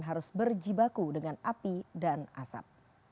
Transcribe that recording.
harus berjibaku dengan api dan asap